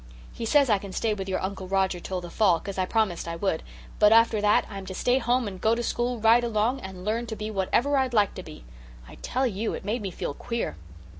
He says I can stay with your Uncle Roger till the fall 'cause I promised I would, but after that I'm to stay home and go to school right along and learn to be whatever I'd like to be. I tell you it made me feel queer.